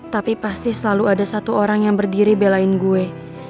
tapi pasti selalu ada satu orang yang berdiri belain gue